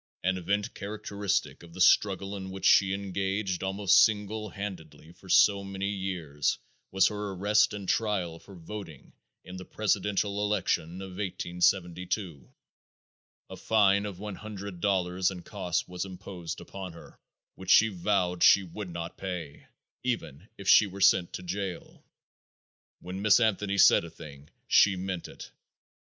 An event characteristic of the struggle in which she engaged almost single handed for so many years was her arrest and trial for voting in the presidential election of 1872. A fine of one hundred dollars and costs was imposed upon her, which she vowed she would not pay, even if she were sent to jail. When Miss Anthony said a thing she meant it.